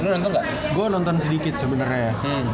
gue nonton sedikit sebenernya